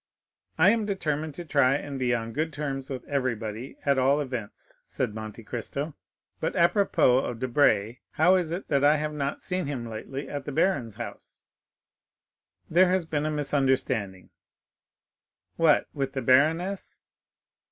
"I am determined to try and be on good terms with everybody, at all events," said Monte Cristo. "But apropos of Debray, how is it that I have not seen him lately at the baron's house?" "There has been a misunderstanding." "What, with the baroness?"